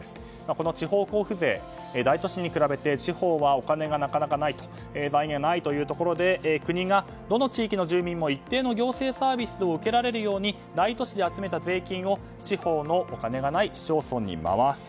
この地方交付税、大都市に比べて地方はお金がなかなかないと財源がないというところで国が、どの地域の住民も一定の行政サービスを受けられるように大都市で集めた税金を地方のお金がない市町村に回す。